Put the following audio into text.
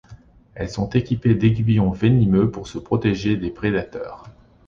Elles sont équipées d'aiguillons venimeux pour se protéger des prédateurs.